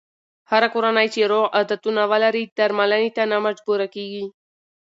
هره کورنۍ چې روغ عادتونه ولري، درملنې ته نه مجبوره کېږي.